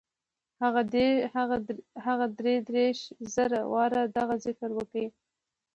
هغه دري دېرش زره واره دغه ذکر وکړ.